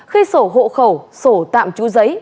khi sổ hộ khẩu sổ tạm trú giấy